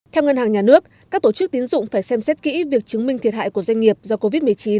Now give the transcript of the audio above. theo ngân hàng nhà nước các tổ chức tín dụng phải xem xét kỹ việc chứng minh thiệt hại của doanh nghiệp do covid một mươi chín